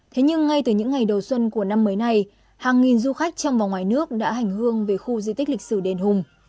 thế nhưng ngay từ những ngày đầu xuân của năm mới này hàng nghìn du khách trong và ngoài nước đã hành hương về khu di tích lịch sử đền hùng